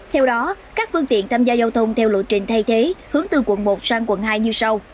theo đó các phương tiện tham gia giao thông theo lộ trình thay thế hướng từ quận một sang quận hai như sau